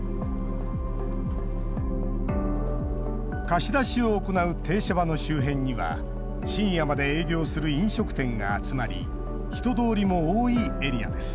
貸し出しを行う停車場の周辺には深夜まで営業する飲食店が集まり人通りも多いエリアです。